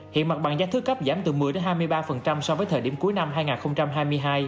hiện mặt bằng giá thứ cấp giảm từ một mươi hai mươi ba so với thời điểm cuối năm hai nghìn hai mươi hai